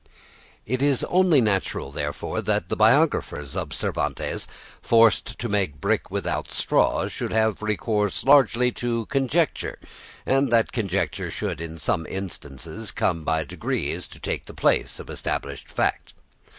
It is only natural, therefore, that the biographers of Cervantes, forced to make brick without straw, should have recourse largely to conjecture, and that conjecture should in some instances come by degrees to take the place of established fact.